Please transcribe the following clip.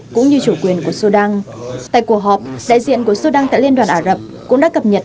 cũng như chủ quyền của sudan tại cuộc họp đại diện của sudan tại liên đoàn ả rập cũng đã cập nhật